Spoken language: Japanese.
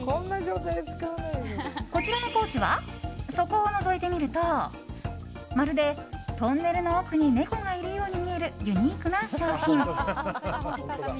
こちらのポーチは底をのぞいてみるとまるでトンネルの奥に猫がいるように見えるユニークな商品。